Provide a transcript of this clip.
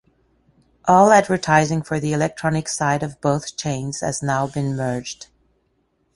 All advertising for the electronics side of both chains has now been merged.